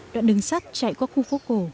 đoạn đường sát chạy qua khu phố cổ